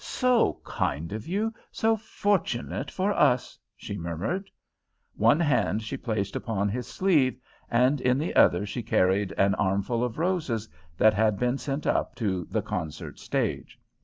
"So kind of you! So fortunate for us!" she murmured. One hand she placed upon his sleeve, and in the other she carried an armful of roses that had been sent up to the concert stage.